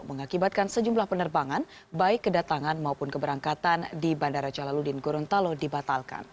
mengakibatkan sejumlah penerbangan baik kedatangan maupun keberangkatan di bandara jalaludin gorontalo dibatalkan